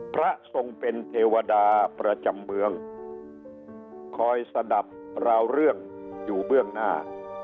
พระทรงเป็นเทวดาประจำเมืองคอยสะดับราวเรื่องอยู่เบื้องหน้า